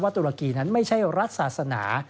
ตุรกีนั้นไม่ใช่รัฐศาสนา